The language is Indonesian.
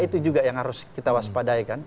itu juga yang harus kita waspadai kan